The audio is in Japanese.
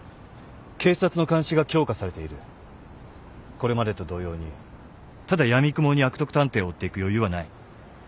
これまでと同様にただやみくもに悪徳探偵を追っていく余裕はない。